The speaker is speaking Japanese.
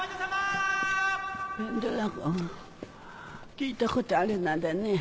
聞いたことある名だね。